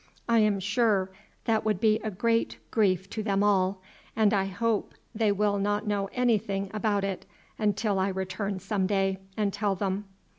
I am sure that would be a great grief to them all, and I hope they will not know anything about it until I return some day and tell them."